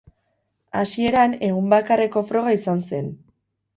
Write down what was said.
Hasieran egun bakarreko froga izan zen.